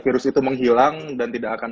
virus itu menghilang dan tidak akan